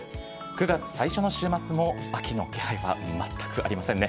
９月最初の週末も秋の気配は全くありませんね。